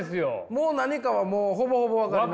もう何かはほぼほぼ分かります。